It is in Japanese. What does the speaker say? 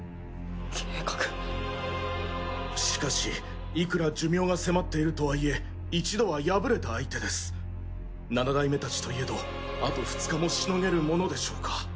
しかしいくら寿命が迫っているとはいえ一度は敗れた相手です七代目たちといえどあと２日もしのげるものでしょうか。